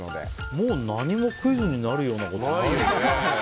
もう何もクイズになるようなことないよね。